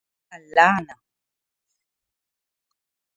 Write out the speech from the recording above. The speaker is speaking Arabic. اللعنة.